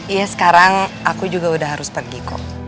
iya sekarang aku juga udah harus pergi kok